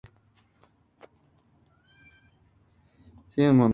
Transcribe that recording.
Estas áreas desarrollaron una demanda insaciable de esclavos.